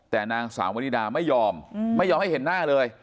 แต่นางสาววริดาไม่ยอมไม่ยอมให้เห็นหน้าเลย